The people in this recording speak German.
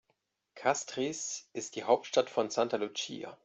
Castries ist die Hauptstadt von St. Lucia.